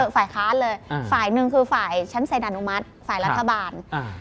ฝ่ายค้านเลยฝ่ายหนึ่งคือฝ่ายชั้นเซ็นอนุมัติฝ่ายรัฐบาล